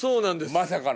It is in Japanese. まさかの。